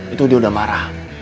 itu dia udah marah